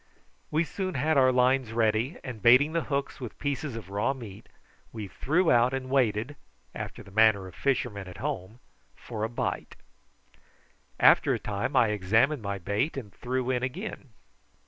We soon had our lines ready, and baiting the hooks with pieces of raw meat, we threw out and waited, after the manner of fishermen at home, for a bite. After a time I examined my bait and threw in again.